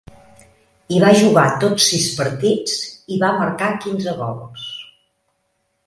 Hi va jugar tots sis partits, i va marcar quinze gols.